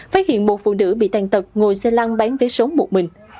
phát hiện một phụ nữ bị tàn tật ngồi xe lăng bán vé số một mình